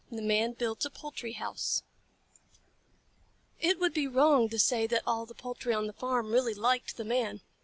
THE MAN BUILDS A POULTRY HOUSE It would be wrong to say that all the poultry on the farm really liked the Man.